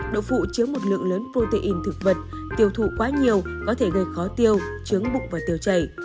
độ phụ chứa một lượng lớn protein thực vật tiêu thụ quá nhiều có thể gây khó tiêu chướng bụng và tiêu chảy